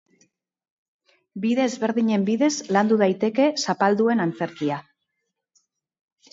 Bide ezberdinen bidez landu daiteke zapalduen antzerkia.